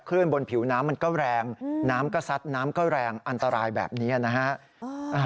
ขึ้นบนผิวน้ำมันก็แรงน้ำก็ซัดน้ำก็แรงอันตรายแบบนี้นะฮะ